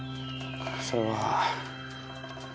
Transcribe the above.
それは。